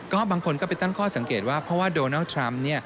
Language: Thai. ก็บางคนก็ไปตั้งข้อสังเกตว่าเพราะว่าโดนัลด์ทรัมป์